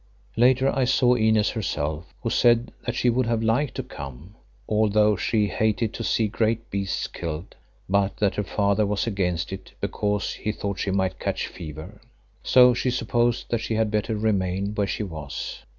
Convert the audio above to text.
Later I saw Inez herself, who said that she would have liked to come, although she hated to see great beasts killed, but that her father was against it because he thought she might catch fever. So she supposed that she had better remain where she was.